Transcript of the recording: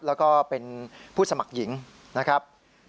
แล้วก็เป็นผู้สมัครหญิงนะครับ